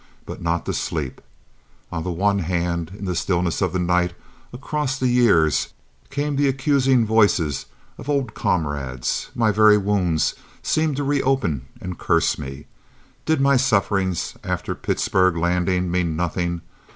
But not to sleep. On the one hand, in the stillness of the night and across the years, came the accusing voices of old comrades. My very wounds seemed to reopen and curse me. Did my sufferings after Pittsburg Landing mean nothing?